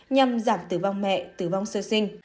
nhằm giảm tử vong mẹ tử vong sơ sinh